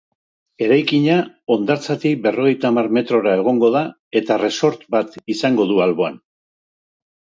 Eraikina hondartzatik berrogeita hamar metrora egongo da eta resort bat izango du alboan.